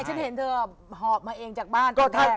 ฉันเห็นเธอหอบมาเองจากบ้าน